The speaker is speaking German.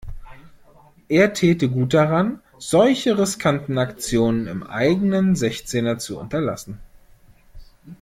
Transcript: Er täte gut daran, solche riskanten Aktionen im eigenen Sechzehner zu unterlassen.